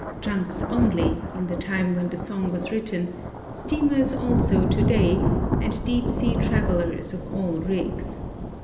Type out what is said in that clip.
^^ Junks only, in the time when the song was written ; steamers also to day, and deep sea travelers of all rigs.